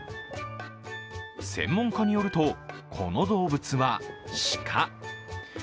専門家によると、この動物は鹿。